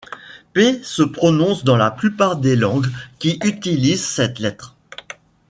Р se prononce dans la plupart des langues qui utilisent cette lettre.